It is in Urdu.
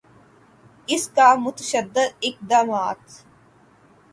اس کا متشدد اقدامات